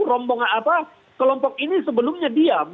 rombongan apa kelompok ini sebelumnya diam